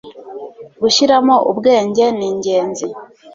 gushiramo ubwenge ningenzi